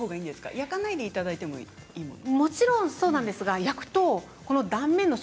焼かないでいただいてもいいんですか？